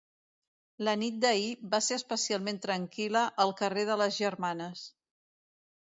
La nit d'ahir va ser especialment tranquil·la al carrer de les Germanes.